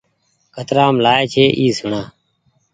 ڪترآم لآيو ڇي اي سوڻآ ۔